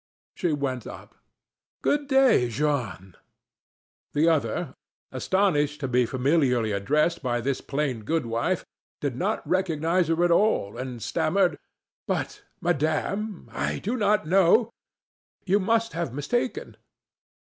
She went up. "Good day, Jeanne." The other, astonished to be familiarly addressed by this plain good wife, did not recognize her at all, and stammered: "But madame! I do not know You must have mistaken."